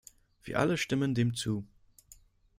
Wir alle stimmen dem zu.